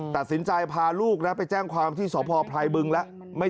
ตัดสินใจพาลูกนะไปแจ้งความที่สพไพรบึงแล้ว